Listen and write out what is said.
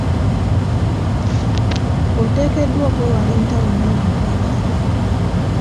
Oteekeddwa okwewala entalo n'abantu abalala.